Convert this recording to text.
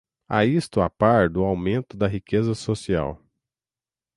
e isto a par do aumento da riqueza social